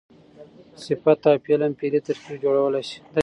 صفت او فعل هم فعلي ترکیب جوړولای سي.